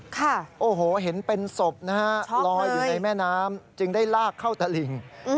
ค่ะโอ้โหเห็นเป็นศพนะฮะลอยอยู่ในแม่น้ำจึงได้ลากเข้าตะลิง